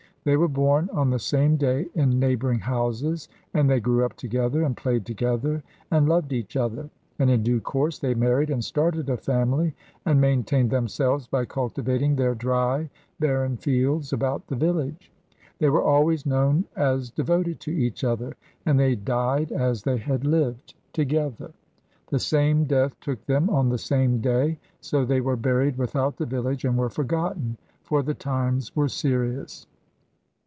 They were born on the same day in neighbouring houses, and they grew up together, and played together, and loved each other. And in due course they married and started a family, and maintained themselves by cultivating their dry, barren fields about the village. They were always known as devoted to each other, and they died as they had lived together. The same death took them on the same day; so they were buried without the village and were forgotten; for the times were serious.